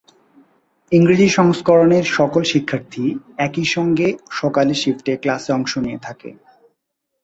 ইংরেজি সংস্করণের সকল শিক্ষার্থী একই সঙ্গে সকালের শিফটে ক্লাসে অংশ নিয়ে থাকে।